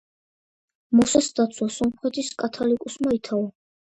მოსეს დაცვა სომხეთის კათალიკოსმა ითავა.